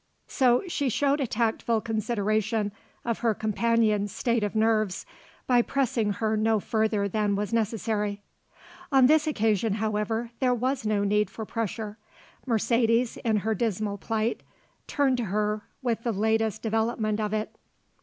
So she showed a tactful consideration of her companion's state of nerves by pressing her no further than was necessary. On this occasion, however, there was no need for pressure; Mercedes, in her dismal plight, turned to her with the latest development of it.